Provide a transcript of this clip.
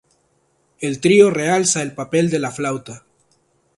El trío realza el papel de la flauta.